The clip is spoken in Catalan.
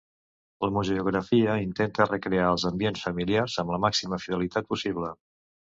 La museografia intenta recrear els ambients familiars amb la màxima fidelitat possible.